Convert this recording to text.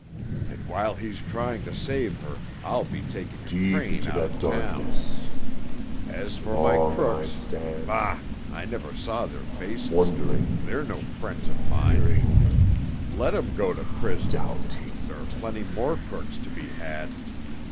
And while he's trying to save her I'll be taking a train out of town. As for my crooks—bah! I never saw their faces—they are no friends of mine. Let 'em go to prison—there are plenty more crooks to be had!"